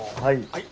はい。